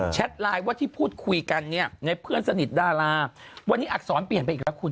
ไลน์ว่าที่พูดคุยกันเนี่ยในเพื่อนสนิทดาราวันนี้อักษรเปลี่ยนไปอีกแล้วคุณ